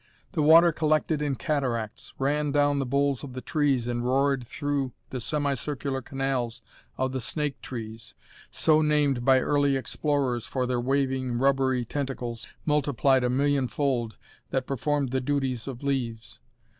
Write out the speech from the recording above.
The water collected in cataracts, ran down the boles of the trees, and roared through the semi circular canals of the snake trees, so named by early explorers for their waving, rubbery tentacles, multiplied a millionfold, that performed the duties of leaves.